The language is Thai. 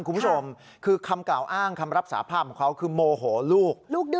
คุณผู้ชมคือคำกล่าวอ้างคำรับสาภาพของเขาคือโมโหลูก